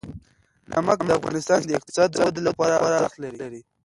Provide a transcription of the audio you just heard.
نمک د افغانستان د اقتصادي ودې لپاره ارزښت لري.